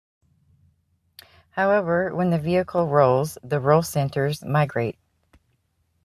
However, when the vehicle rolls the roll centers migrate.